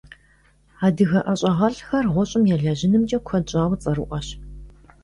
Адыгэ ӀэщӀагъэлӀхэр гъущӀым елэжьынымкӀэ куэд щӀауэ цӀэрыӀуэщ.